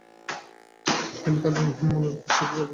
তিনি তার মনঃরোগ বিশেষজ্ঞের কাছে যাচ্ছেন।